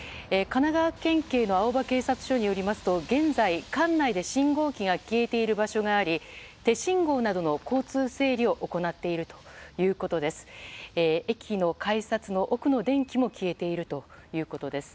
神奈川県警の青葉警察署によりますと現在、管内で信号機が消えている場所があり手信号などの交通整理を行っているということです。